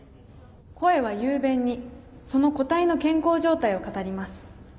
声は雄弁にその個体の健康状態を語ります